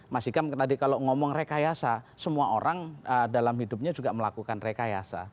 mas ikam tadi kalau ngomong rekayasa semua orang dalam hidupnya juga melakukan rekayasa